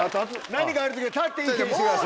何かある時は立って意見してください。